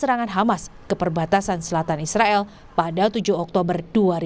serangan hamas ke perbatasan selatan israel pada tujuh oktober dua ribu dua puluh